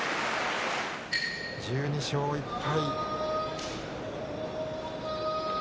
１２勝１敗。